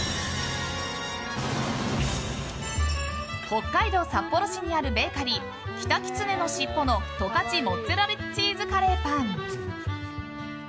北海道札幌市にあるベーカリーキタキツネのしっぽの十勝モッツァレラチーズカレーパン。